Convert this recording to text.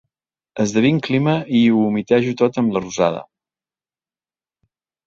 Esdevinc clima i ho humitejo tot amb la rosada.